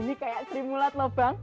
ini kayak sri mulat loh bang